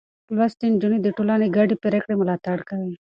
لوستې نجونې د ټولنې ګډې پرېکړې ملاتړ کوي.